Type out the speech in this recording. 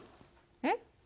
えっ？